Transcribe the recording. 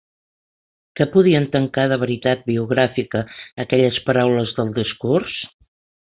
Què podien tancar de veritat biogràfica aquelles paraules del discurs?